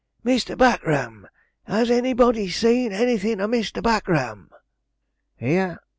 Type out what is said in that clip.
Mr. Buckram! Has anybody seen anything of Mr. Buckram!' 'Here!'